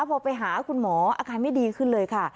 พอไปหาคุณหมออาการไม่ดีขึ้นเลยค่ะ